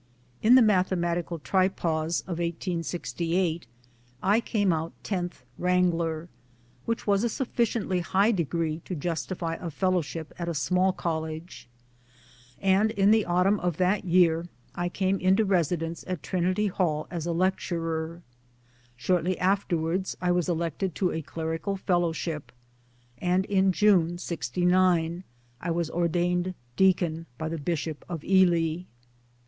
In the Mathe matical Tripos of 1868 I came out tenth wrangler, which was a sufficiently high degree to justify a Fellowship at a small College ; and in the autumn of that year I came into residence at Trinity Hall as a Lecturer ; shortly afterwards I was elected to a clerical Fellowship ; and in June '69 I was ordained Deacon by the Bishop of Ely.